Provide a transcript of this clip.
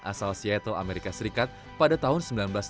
asal seattle amerika serikat pada tahun seribu sembilan ratus sembilan puluh